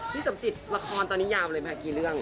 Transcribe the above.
สมจิตละครตอนนี้ยาวเลยมากี่เรื่อง